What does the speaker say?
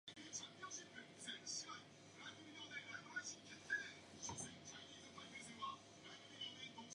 Provision is also being provided for an additional north–south line.